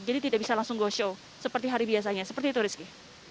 jadi tidak bisa langsung go show seperti hari biasanya seperti itu rizky